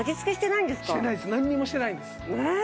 なんにもしてないんです。